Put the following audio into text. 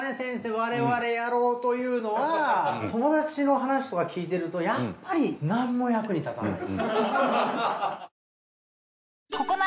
我々野郎というのは友達の話とか聞いてるとやっぱりなんも役に立たないと。